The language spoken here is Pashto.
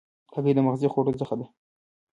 هګۍ د مغذي خوړو څخه ده.